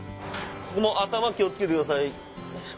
頭気を付けてください。